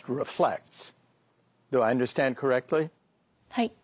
はい。